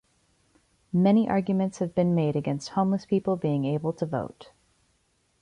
Many arguments have been made against homeless people being able to vote.